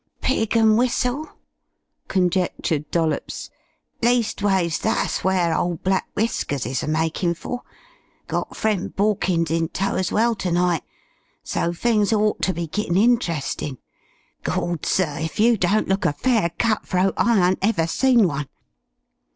"'Pig and Whistle'," conjectured Dollops. "Leastways, tha's where old Black Whiskers is a makin' for. Got friend Borkins in tow as well ternight, so things ought ter be gittin' interestin'. Gawd! sir, if you don't looka fair cut throat I an't ever seen one.